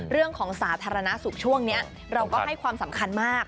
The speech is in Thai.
สาธารณสุขช่วงนี้เราก็ให้ความสำคัญมาก